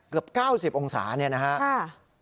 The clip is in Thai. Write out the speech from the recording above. เกือบ๙๐องศานะครับ